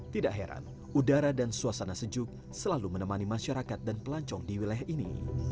tidak heran udara dan suasana sejuk selalu menemani masyarakat dan pelancong di wilayah ini